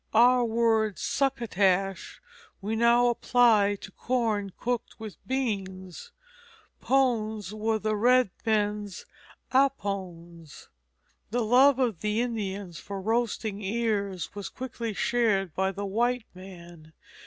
Our word "succotash" we now apply to corn cooked with beans. Pones were the red men's appones. The love of the Indians for "roasting ears" was quickly shared by the white man.